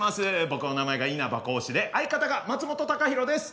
僕の名前が稲葉浩志で相方が松本孝弘です。